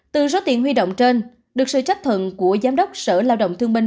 từ số tiền huy động trên được sự chấp thuận của giám đốc sở lao động thương minh